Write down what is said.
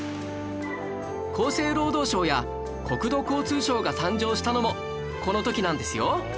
厚生労働省や国土交通省が誕生したのもこの時なんですよ